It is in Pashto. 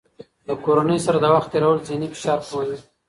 د کورنۍ سره د وخت تېرول د ذهني فشار کموي.